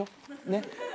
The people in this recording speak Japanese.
ねっ？